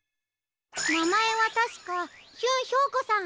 なまえはたしかヒュン・ヒョウコさん。